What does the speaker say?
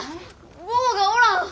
坊がおらん！